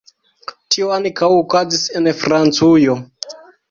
Tio ankaŭ okazis en Francujo.